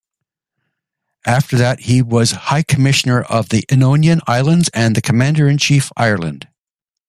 After that he was high commissioner of the Ionian Islands and then Commander-in-Chief, Ireland.